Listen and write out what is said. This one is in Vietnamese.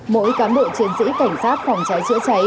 mỗi cán bộ chiến sĩ cảnh sát phòng cháy chữa cháy